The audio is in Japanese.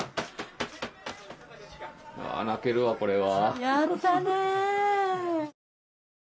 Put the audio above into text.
泣けるわ、これは。